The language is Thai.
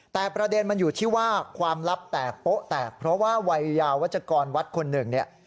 แต่ประเด็นมันอยู่ที่ว่าความลับแตกโป๊ะแตกเพราะว่าวัยยาวัชกรวัดคนหนึ่งเนี่ย